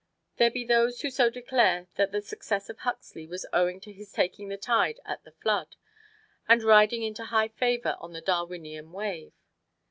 There be those who do declare that the success of Huxley was owing to his taking the tide at the flood, and riding into high favor on the Darwinian wave.